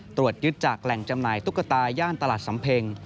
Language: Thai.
ตรวจยึดจากแหล่งจำหน่ายตุ๊กตาย่านตลาดสำเพ็ง